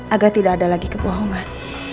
agar tidak ada lagi kebohongan